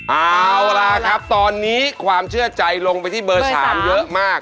เอาล่ะครับตอนนี้ความเชื่อใจลงไปที่เบอร์๓เยอะมาก